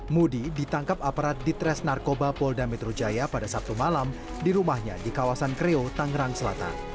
mudi ditangkap aparat ditres narkoba polda metro jaya pada sabtu malam di rumahnya di kawasan kreo tangerang selatan